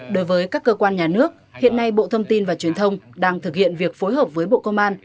đối với các cơ quan nhà nước hiện nay bộ thông tin và truyền thông đang thực hiện việc phối hợp với bộ công an